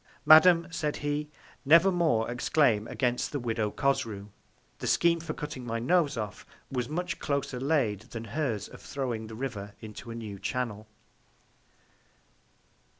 Madam, said he, never more exclaim against the Widow Cosrou. The Scheme for cutting my Nose off was much closer laid than hers of throwing the River into a new Channel.